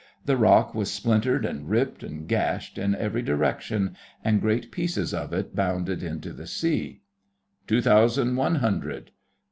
The rock was splintered and ripped and gashed in every direction, and great pieces of it bounded into the sea. 'Two thousand one hundred.